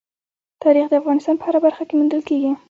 تاریخ د افغانستان په هره برخه کې موندل کېږي.